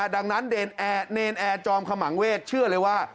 ดังนั้นเนรนแอร์จอมขมังเวทเชื่อเลยว่า